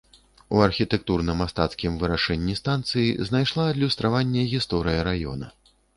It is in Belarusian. У архітэктурна-мастацкім вырашэнні станцыі знайшла адлюстраванне гісторыя раёна.